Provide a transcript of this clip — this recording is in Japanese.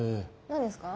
何ですか？